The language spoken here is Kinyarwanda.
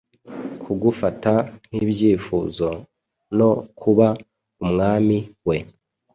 Kugufata nkibyifuzo, no kuba Umwami we